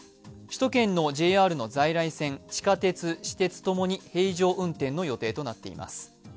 首都圏のＪＲの在来線、地下鉄、私鉄ともに平常運転の予定となっています。